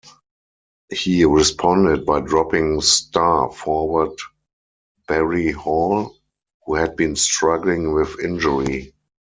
He responded by dropping star forward Barry Hall, who had been struggling with injury.